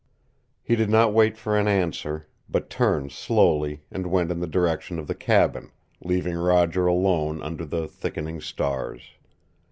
He did not wait for an answer, but turned slowly and went in the direction of the cabin, leaving Roger alone under the thickening stars.